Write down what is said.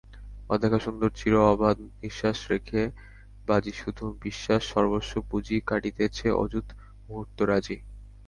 অদেখা সুন্দর চিরঅবাধ নিশ্বাস রেখে বাজিশুধু বিশ্বাস সর্বস্ব পুঁজি, কাটিতেছে অযুত মুহূর্ত রাজি।